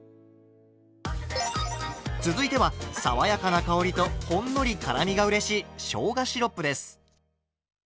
続いては爽やかな香りとほんのり辛みがうれしいしょうがシロップです。